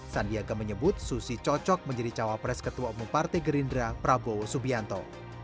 sandiaga menyebut susi cocok menjadi cawapres ketua umum partai gerindra prabowo subianto